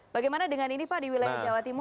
bagaimana dengan ini pak di wilayah jawa timur